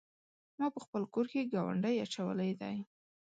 ما په خپل کور کې ګاونډی اچولی دی.